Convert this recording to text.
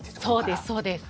そうですそうです。